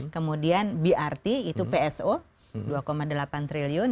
kemudian brt itu pso dua delapan triliun